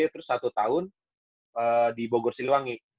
terus satu tahun di bogor siliwangi